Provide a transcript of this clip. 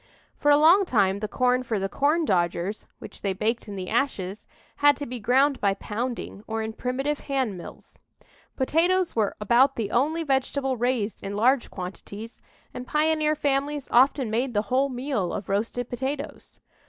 For a long time the corn for the "corndodgers" which they baked in the ashes, had to be ground by pounding, or in primitive hand mills. Potatoes were about the only vegetable raised in large quantities, and pioneer families often made the whole meal of roasted potatoes.